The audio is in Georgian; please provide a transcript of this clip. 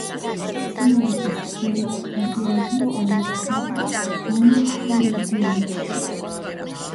მცენარეთა სპერმატოზოიდი წარმოიქმნება ანთერიდიუმში.